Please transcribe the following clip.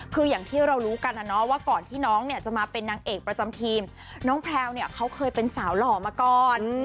คืออย่างที่เรารู้กันนะเนาะว่าก่อนที่น้องเนี่ยจะมาเป็นนางเอกประจำทีมน้องแพลวเนี่ยเขาเคยเป็นสาวหล่อมาก่อน